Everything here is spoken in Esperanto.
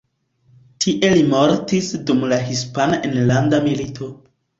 Tie li mortiĝis dum la Hispana Enlanda Milito.